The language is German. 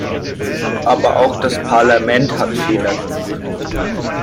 Aber auch das Parlament hat Fehler gemacht.